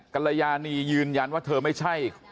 กรยานียืนยันว่าเธอไม่ใช่